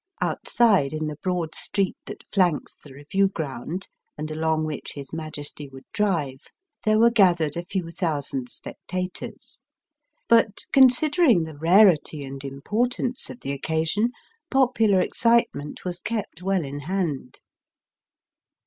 Outside in the broad street that flanks the review ground, and along which his Majesty would drive, there were gathered a few thousand spectators; but, considering the rarity and importance of the occasion, popular excitement was kept weU in hand.